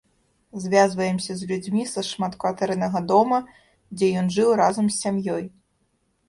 Звязваемся з людзьмі са шматкватэрнага дома, дзе ён жыў разам з сям'ёй.